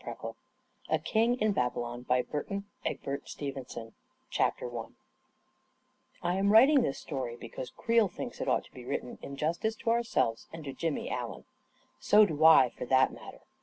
,» 3 , A KING IN BABYLON A KING IN BABYLON CHAPTER I I am writing this story because Creel thinks it ought to be written in justice to ourselves and to Jimmy Allen. So do I, for that matter.